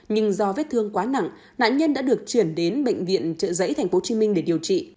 nhưng do vết thương quá nặng nạn nhân đã được chuyển đến bệnh viện trợ giấy tp hcm để điều trị